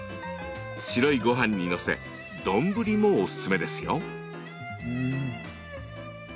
白いごはんに載せ丼もおすすめですよ。